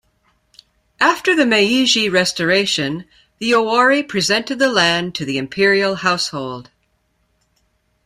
After the Meiji restoration, the Owari presented the land to the Imperial Household.